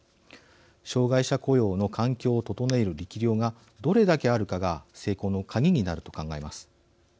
障害者雇用の環境を整える力量がどれだけあるかが成功の鍵になると考えます。